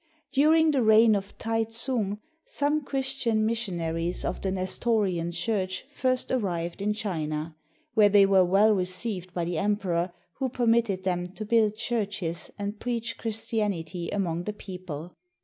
During the reign of Tai tsung, some Christian mis sionaries of the Nestorian Church first arrived in China, where they were well received by the emperor, who permitted them to build churches and preach Chris tianity among the people.